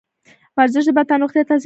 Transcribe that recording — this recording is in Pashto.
ورزش د بدن روغتیا تضمینوي.